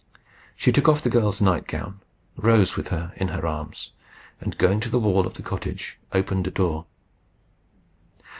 She took off the girl's night gown, rose with her in her arms, and going to the wall of the cottage, opened a door.